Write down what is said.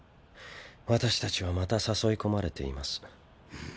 私たちはまた誘い込まれています。